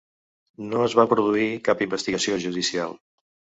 No es va produir cap investigació judicial.